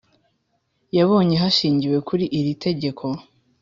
Yabonye hashingiwe kuri iri tegeko